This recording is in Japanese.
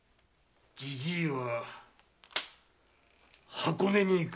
じじいは箱根に行く。